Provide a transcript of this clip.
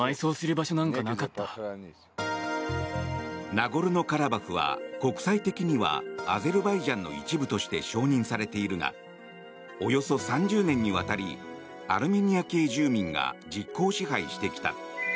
ナゴルノカラバフは国際的にはアゼルバイジャンの一部として承認されているがおよそ３０年にわたりアルメニア系住民が実効支配してきた。